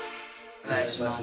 お願いします。